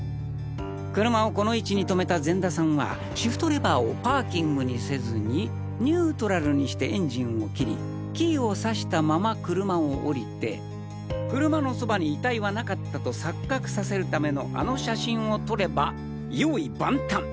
車をこの位置に停めた善田さんはシフトレバーをパーキングにせずにニュートラルにしてエンジンを切りキーをさしたまま車を降りて車のそばに遺体はなかったと錯覚させるためのあの写真を撮れば用意万端！